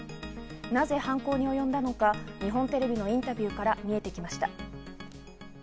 なぜ犯行に及んだのか、日本テレビのインタビューから見えてきました。